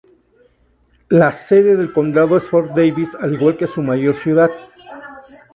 La sede del condado es Fort Davis, al igual que su mayor ciudad.